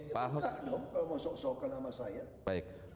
muka dong kalau mau sok sokan sama saya